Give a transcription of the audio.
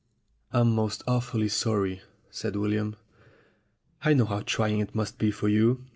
"I'm most awfully sorry," said William. "I know how trying it must be for you.